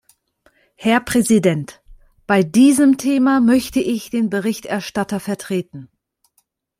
Herr Präsident! Bei diesem Thema möchte ich den Berichterstatter vertreten.